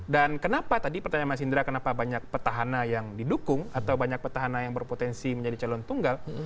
dan kenapa tadi pertanyaan mas indra kenapa banyak petahana yang didukung atau banyak petahana yang berpotensi menjadi calon tunggal